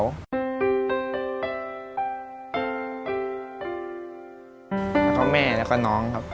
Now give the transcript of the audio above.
แล้วก็แม่แล้วก็น้องครับ